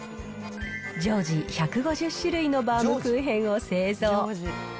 常時１５０種類のバウムクーヘンを製造。